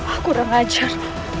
aku tak ajar